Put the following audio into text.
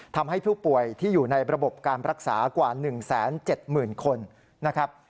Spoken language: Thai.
ทำให้ผู้ป่วยที่อยู่ในระบบการรักษากว่า๑๗๐๐๐คนนะครับ